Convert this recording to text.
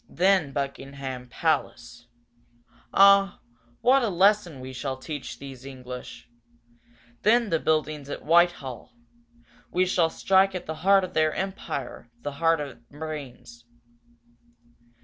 Then Buckingham Palace. Ah, what a lesson we shall teach these English! Then the buildings at Whitehall. We shall strike at the heart of their empire the heart and the brains!"